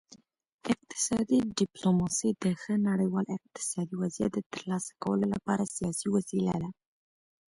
اقتصادي ډیپلوماسي د ښه نړیوال اقتصادي وضعیت د ترلاسه کولو لپاره سیاسي وسیله ده